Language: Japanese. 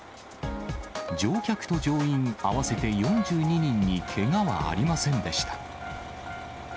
乗客と乗員合わせて４２人にけがはありませんでした。